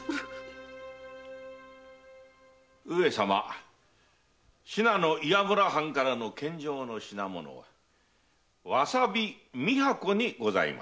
上様信濃岩村藩からの献上の品物はわさび三箱にございました。